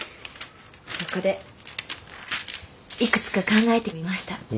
そこでいくつか考えてみました。